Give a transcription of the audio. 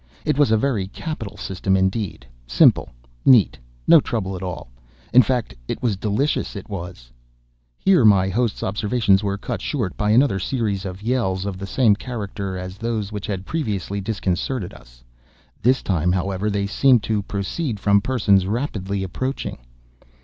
It was a very capital system indeed—simple—neat—no trouble at all—in fact it was delicious—it was—" Here my host's observations were cut short by another series of yells, of the same character as those which had previously disconcerted us. This time, however, they seemed to proceed from persons rapidly approaching.